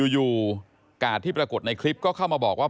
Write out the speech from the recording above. กาดที่ปรากฏในคลิปก็เข้ามาบอกว่า